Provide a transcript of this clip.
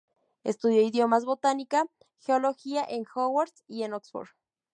Estudió idiomas, botánica, geología en Harrow y en Oxford.